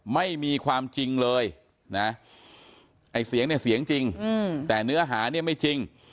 ไม่มีความจริงเลยนะไอ้เสียงเนี่ยเสียงจริงแต่เนื้อหาเนี่ยไม่จริง